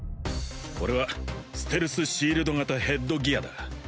これはステルスシールド型ヘッドギアだ